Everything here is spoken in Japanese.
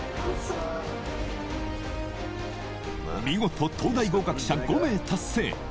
見事東大合格者５名達成